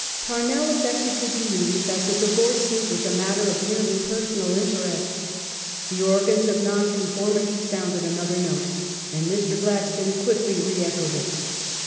522 DEMOCRACY AND EMPIRE [1885 Pamell affected to believe that the divorce suit was a matter of merely pei sonal interest. The organs of Nonconformity sounded another note, and Mr. Gladstone quickly re echoed it.